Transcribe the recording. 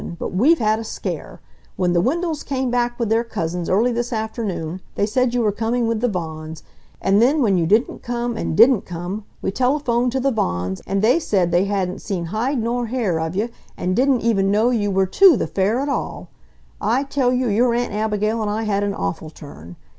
But we've had a scare! When the Wendells come back with their cousins early this afternoon, they said you were coming with the Vaughans. And then when you didn't come and DIDN'T come, we telephoned to the Vaughans, and they said they hadn't seen hide nor hair of ye, and didn't even know you were TO the Fair at all! I tell you, your Aunt Abigail and I had an awful turn!